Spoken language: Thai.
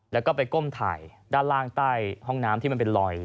แล้วก็ไปก้มถ่ายด้านล่างใต้ห้องน้ำที่มันเป็นลอย